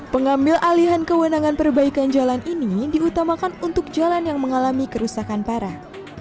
pengambil alihan kewenangan perbaikan jalan ini diutamakan untuk jalan yang mengalami kerusakan parah